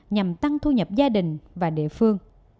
nhằm tăng thu nhập gia đình và địa phương